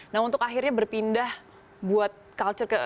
nah untuk akhirnya berpindah buat culture ke